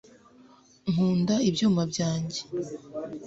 nkunda ibyuma byanjye